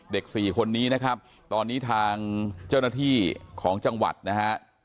สี่คนนี้นะครับตอนนี้ทางเจ้าหน้าที่ของจังหวัดนะฮะ